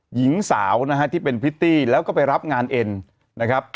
หญิงสาวนะฮะที่เป็นพริตตี้แล้วก็ไปรับงานเอ็นนะครับ